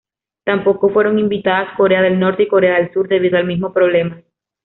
Tampoco fueron invitadas Corea del Norte y Corea del Sur debido al mismo problema.